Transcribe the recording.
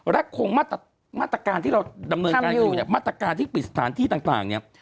และคงมาตรการที่เราดำเนินการอยู่มาตรการที่ปิดสถานที่ต่าง